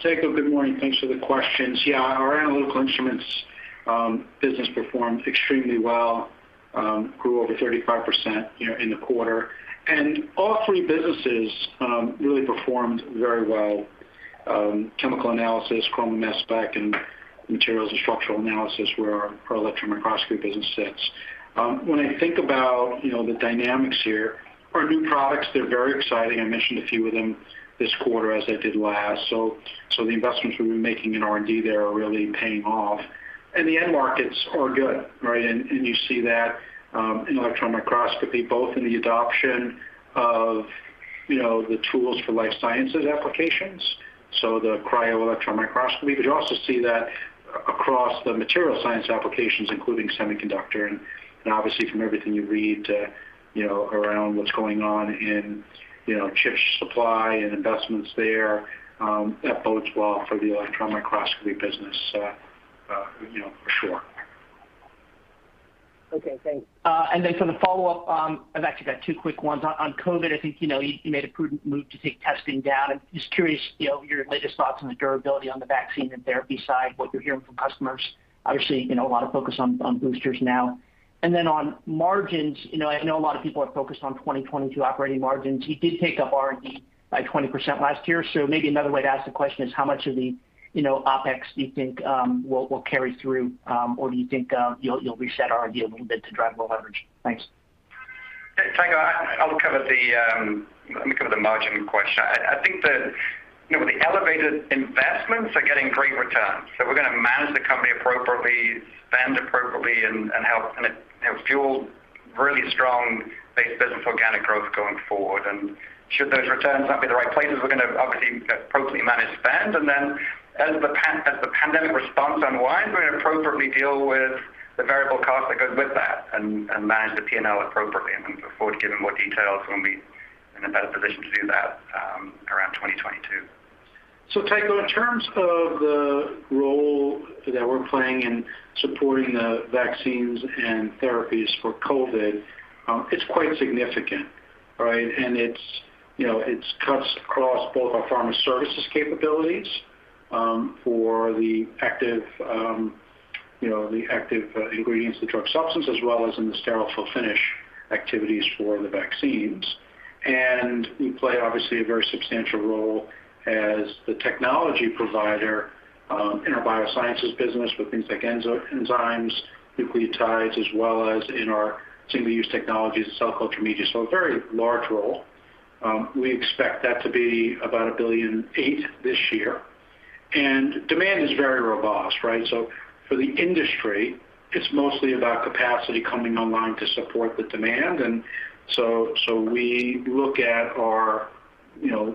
Tycho, good morning. Thanks for the questions. Our Analytical Instruments business performed extremely well, grew over 35% in the quarter. All three businesses really performed very well. Chemical Analysis, Chrom and Mass Spec, and Materials and Structural Analysis, where our electron microscopy business sits. When I think about the dynamics here, our new products, they're very exciting. I mentioned a few of them this quarter as I did last. The investments we've been making in R&D there are really paying off. The end markets are good, right? You see that in electron microscopy, both in the adoption of the tools for life sciences applications, so the cryo-electron microscopy, but you also see that across the material science applications, including semiconductor. Obviously from everything you read around what's going on in chip supply and investments there, that bodes well for the electron microscopy business for sure. Okay, thanks. For the follow-up, I've actually got 2 quick ones. On COVID, I think you made a prudent move to take testing down. I'm just curious, your latest thoughts on the durability on the vaccine and therapy side, what you're hearing from customers. Obviously, a lot of focus on boosters now. On margins, I know a lot of people are focused on 2022 operating margins. You did take up R&D by 20% last year. Maybe another way to ask the question is how much of the OpEx do you think will carry through? Do you think you'll reset R&D a little bit to drive more leverage? Thanks. Hey, Tycho, let me cover the margin question. I think that the elevated investments are getting great returns. We're going to manage the company appropriately, spend appropriately, and fuel really strong base business organic growth going forward. Should those returns not be in the right places, we're going to obviously appropriately manage spend. As the pandemic response unwinds, we're going to appropriately deal with the variable cost that goes with that and manage the P&L appropriately. Look forward to giving more details when we are in a better position to do that around 2022. Tycho Peterson, in terms of the role that we're playing in supporting the vaccines and therapies for COVID, it's quite significant. Right? It cuts across both our pharma services capabilities, for the active ingredients, the drug substance, as well as in the sterile fill-finish activities for the vaccines. We play obviously a very substantial role as the technology provider in our biosciences business with things like enzymes, nucleotides, as well as in our single-use technologies and cell culture media. A very large role. We expect that to be about $1.8 billion this year. Demand is very robust, right? For the industry, it's mostly about capacity coming online to support the demand. We look at our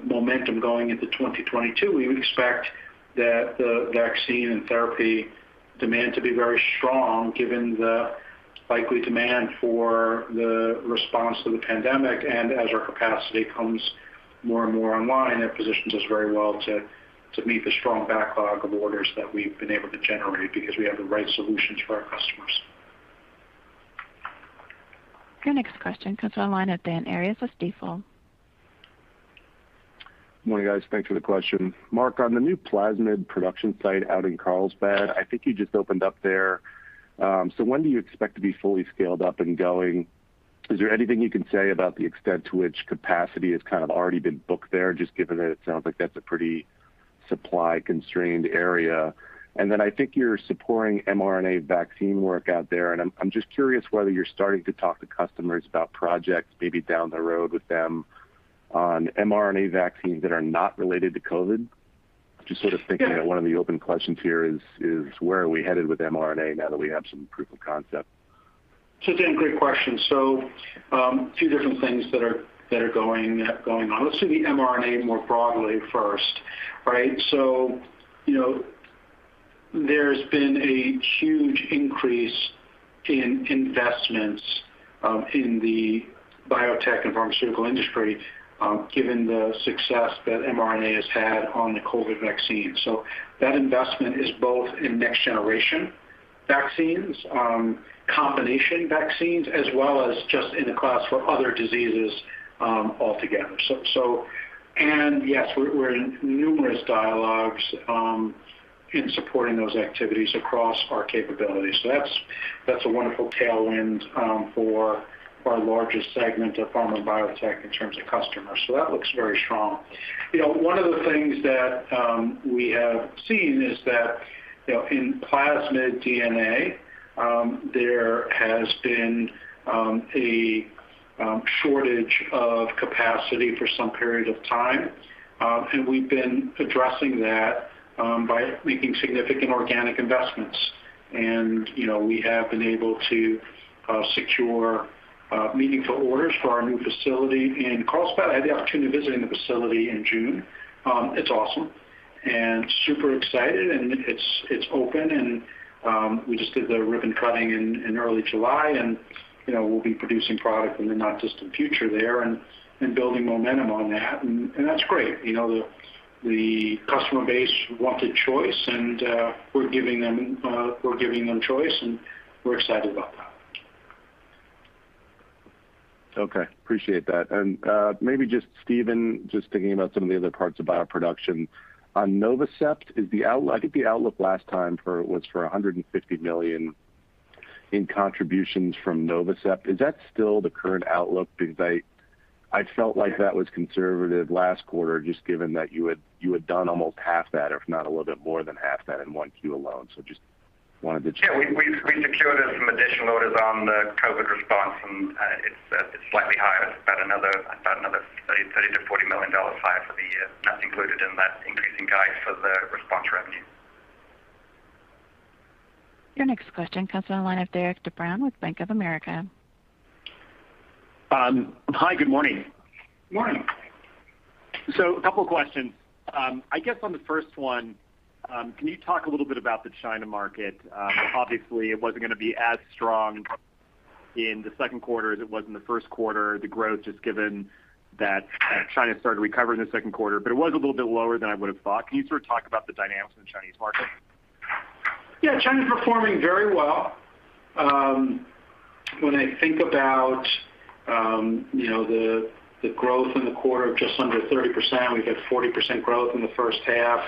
momentum going into 2022. We would expect that the vaccine and therapy demand to be very strong given the likely demand for the response to the pandemic. As our capacity comes more and more online, it positions us very well to meet the strong backlog of orders that we've been able to generate because we have the right solutions for our customers. Your next question comes on the line of Daniel Arias with Stifel. Morning, guys. Thanks for the question. Marc, on the new plasmid production site out in Carlsbad, I think you just opened up there. When do you expect to be fully scaled up and going? Is there anything you can say about the extent to which capacity has kind of already been booked there, just given that it sounds like that's a pretty supply-constrained area. Then I think you're supporting mRNA vaccine work out there, and I'm just curious whether you're starting to talk to customers about projects maybe down the road with them on mRNA vaccines that are not related to COVID. Just sort of thinking that one of the open questions here is where are we headed with mRNA now that we have some proof of concept. Daniel Arias, great question. Two different things that are going on. Let's do the mRNA more broadly first, right? There's been a huge increase in investments in the biotech and pharmaceutical industry given the success that mRNA has had on the COVID vaccine. That investment is both in next generation vaccines, combination vaccines, as well as just in the class for other diseases altogether. Yes, we're in numerous dialogues in supporting those activities across our capabilities. That's a wonderful tailwind for our largest segment of pharma biotech in terms of customers. That looks very strong. One of the things that we have seen is that in plasmid DNA, there has been a shortage of capacity for some period of time, and we've been addressing that by making significant organic investments. We have been able to secure meaningful orders for our new facility in Carlsbad. I had the opportunity of visiting the facility in June. It's awesome and super excited. It's open, and we just did the ribbon cutting in early July, and we'll be producing product in the not-distant future there and building momentum on that, and that's great. The customer base wanted choice, and we're giving them choice, and we're excited about that. Okay. Appreciate that. Maybe just, Stephen Williamson, just thinking about some of the other parts of bioproduction. On Novasep, I think the outlook last time was for $150 million in contributions from Novasep. Is that still the current outlook? I felt like that was conservative last quarter, just given that you had done almost half that, if not a little bit more than half that in one Q alone. Just wanted to check. Yeah. We've secured some additional orders on the COVID response, and it's slightly higher. It's about another $30 million-$40 million higher for the year. That's included in that increasing guide for the response revenue. Your next question comes on the line of Derik de Bruin with Bank of America. Hi, good morning. Morning. A couple questions. I guess on the first one, can you talk a little bit about the China market? Obviously, it wasn't going to be as strong in the second quarter as it was in the first quarter, the growth, just given that China started recovering in the second quarter. It was a little bit lower than I would have thought. Can you sort of talk about the dynamics in the Chinese market? Yeah, China's performing very well. When I think about the growth in the quarter of just under 30%, we've had 40% growth in the first half.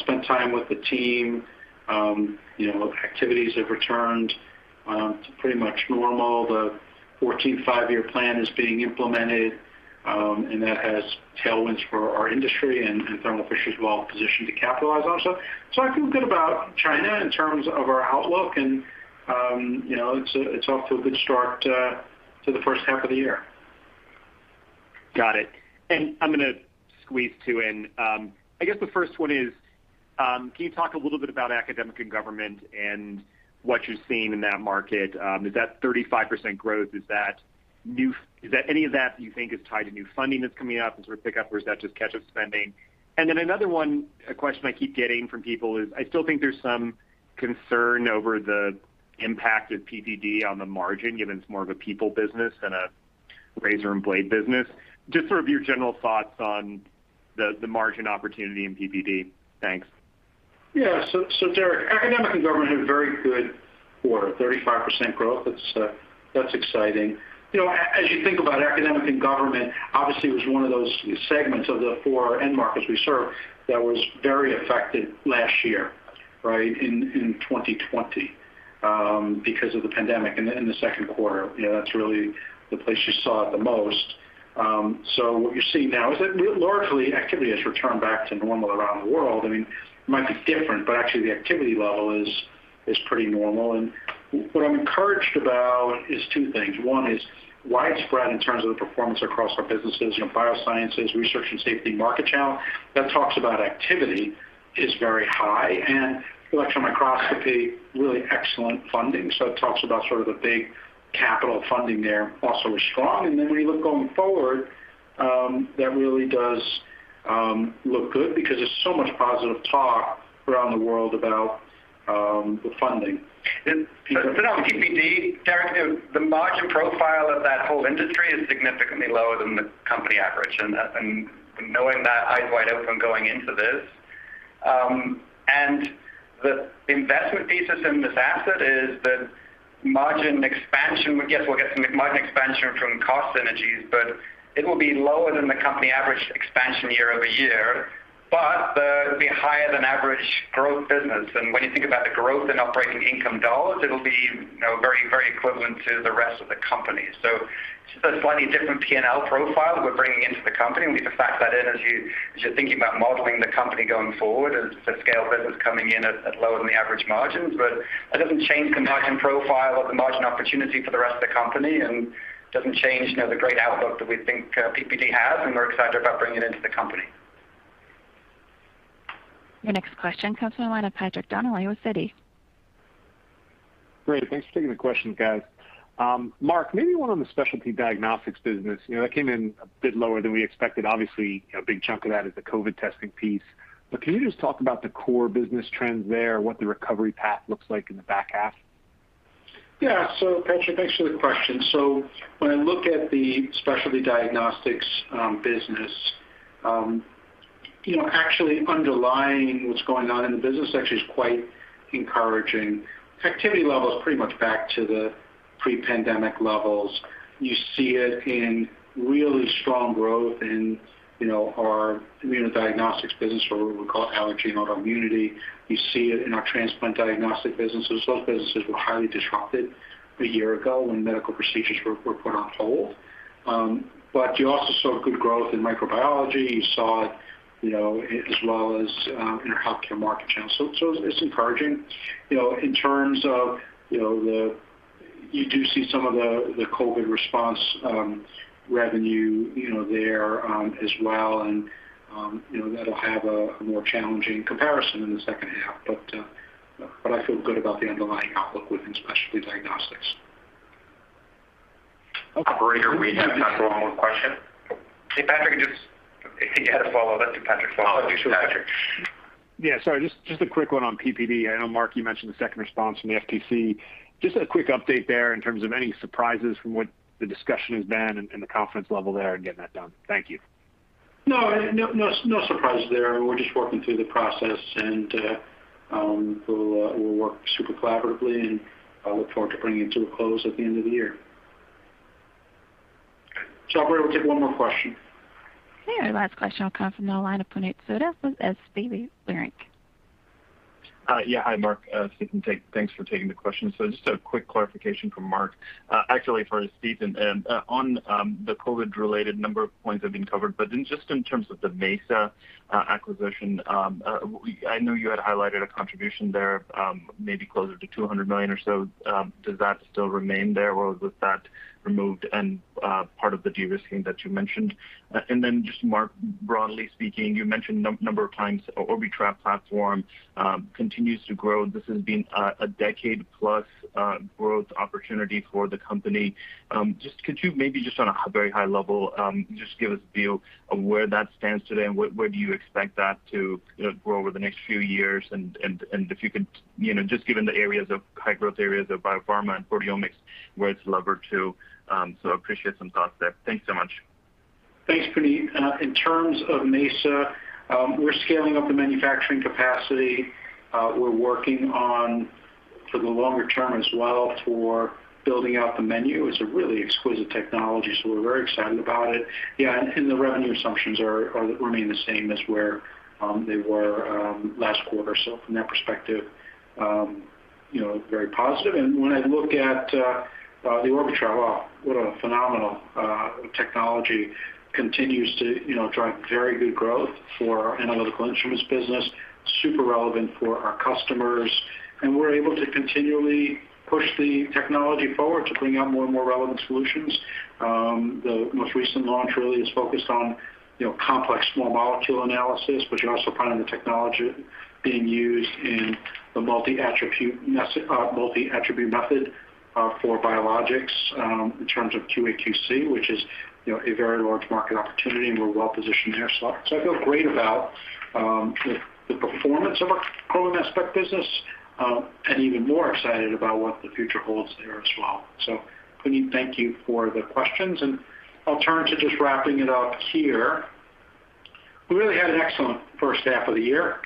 Spent time with the team. Activities have returned to pretty much normal. The 14th Five-Year Plan is being implemented, and that has tailwinds for our industry, and Thermo Fisher's well-positioned to capitalize on. I feel good about China in terms of our outlook, and it's off to a good start to the first half of the year. Got it. I'm going to squeeze 2 in. I guess the first one is, can you talk a little bit about academic and government and what you're seeing in that market? Is that 35% growth, is any of that you think is tied to new funding that's coming up and sort of pick up or is that just catch-up spending? Then another one, a question I keep getting from people is I still think there's some concern over the impact of PPD on the margin, given it's more of a people business than a razor and blade business. Just sort of your general thoughts on the margin opportunity in PPD. Thanks. Yeah. Derik, academic and government had a very good quarter, 35% growth. That's exciting. As you think about academic and government, obviously, it was one of those segments of the 4 end markets we serve that was very affected last year, right, in 2020 because of the pandemic in the second quarter. That's really the place you saw it the most. What you're seeing now is that largely, activity has returned back to normal around the world. I mean, it might be different, actually the activity level is pretty normal. What I'm encouraged about is 2 things. 1 is widespread in terms of the performance across our businesses. Biosciences, Research and Safety Market Channel, that talks about activity is very high. Electron microscopy, really excellent funding. It talks about sort of the big capital funding there also is strong. When you look going forward, that really does look good because there's so much positive talk around the world about the funding. On PPD, Derik de Bruin, the margin profile of that whole industry is significantly lower than the company average, knowing that eyes wide open going into this. The investment thesis in this asset is that margin expansion, yes, we'll get some margin expansion from cost synergies, but it will be lower than the company average expansion year-over-year. It'll be higher than average growth business. When you think about the growth in operating income dollars, it'll be very equivalent to the rest of the company. It's just a slightly different P&L profile that we're bringing into the company. We need to factor that in as you're thinking about modeling the company going forward, as the scale business coming in at lower than the average margins. That doesn't change the margin profile or the margin opportunity for the rest of the company, and doesn't change the great outlook that we think PPD has, and we're excited about bringing it into the company. Your next question comes from the line of Patrick Donnelly with Citi. Great. Thanks for taking the question, guys. Marc, maybe 1 on the Specialty Diagnostics business. That came in a bit lower than we expected. Obviously, a big chunk of that is the COVID testing piece. Can you just talk about the core business trends there, what the recovery path looks like in the back half? Patrick, thanks for the question. When I look at the Specialty Diagnostics business, actually underlying what's going on in the business actually is quite encouraging. Activity level is pretty much back to the pre-pandemic levels. You see it in really strong growth in our immunodiagnostics business, or what we call allergy and autoimmunity. You see it in our transplant diagnostic businesses. Those businesses were highly disrupted a year ago when medical procedures were put on hold. You also saw good growth in microbiology. You saw it as well as in our Healthcare Market Channel. It's encouraging. You do see some of the COVID response revenue there as well, and that'll have a more challenging comparison in the second half. I feel good about the underlying outlook within Specialty Diagnostics. Operator, we have time for one more question. Hey, Patrick, I think you had a follow-up. Do Patrick follow-up. Oh, sure. Patrick. Yeah. Sorry, just a quick one on PPD. I know, Marc, you mentioned the second response from the FTC. Just a quick update there in terms of any surprises from what the discussion has been and the confidence level there in getting that done. Thank you. No surprise there. We're just working through the process, and we'll work super collaboratively, and I look forward to bringing it to a close at the end of the year. Okay. Operator, we'll take one more question. Yeah. The last question will come from the line of Puneet Souda with SVB Leerink Inc. Hi, Marc. Thanks for taking the question. Just a quick clarification from Marc. Actually, for Stephen. On the COVID-related, a number of points have been covered, but just in terms of the Mesa acquisition, I know you had highlighted a contribution there of maybe closer to $200 million or so. Does that still remain there, or was that removed and part of the de-risking that you mentioned? Then just Marc, broadly speaking, you mentioned a number of times Orbitrap platform continues to grow. This has been a decade-plus growth opportunity for the company. Just could you maybe just on a very high level, just give us a view of where that stands today and where do you expect that to grow over the next few years? If you could just give the areas of high growth areas of biopharma and proteomics, where it's levered to. Appreciate some thoughts there. Thanks so much. Thanks, Puneet. In terms of Mesa, we're scaling up the manufacturing capacity. We're working on, for the longer term as well, for building out the menu. It's a really exquisite technology, so we're very excited about it. The revenue assumptions remain the same as where they were last quarter. From that perspective, very positive. When I look at the Orbitrap, wow, what a phenomenal technology. Continues to drive very good growth for our Analytical Instruments business. Super relevant for our customers. We're able to continually push the technology forward to bring out more and more relevant solutions. The most recent launch really is focused on complex small molecule analysis, but you're also finding the technology being used in the multi-attribute method for biologics in terms of QA QC, which is a very large market opportunity, and we're well positioned there. I feel great about the performance of our Chrom and Mass Spec business, and even more excited about what the future holds there as well. Puneet, thank you for the questions. I'll turn to just wrapping it up here. We really had an excellent first half of the year.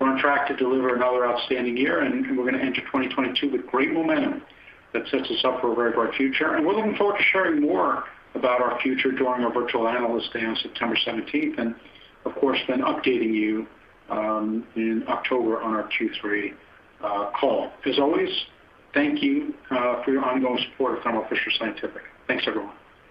We're on track to deliver another outstanding year, and we're going to enter 2022 with great momentum that sets us up for a very bright future. We're looking forward to sharing more about our future during our virtual Analyst Day on September 17th. Of course, then updating you in October on our Q3 call. As always, thank you for your ongoing support of Thermo Fisher Scientific. Thanks, everyone.